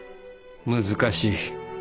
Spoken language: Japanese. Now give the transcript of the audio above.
難しい。